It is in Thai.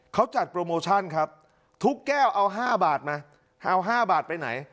เขาจัดโปรโมชั่นครับทุกแก้วเอา๕บาทมาเอา๕บาทไปไหน